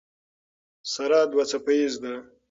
سره دوه څپیزه ده.